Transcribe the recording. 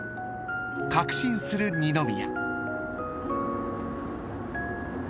［確信する二宮］